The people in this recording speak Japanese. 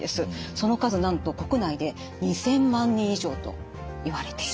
その数なんと国内で２，０００万人以上といわれています。